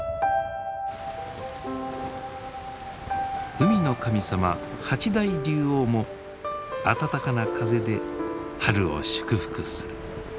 海の神様八大龍王も暖かな風で春を祝福する。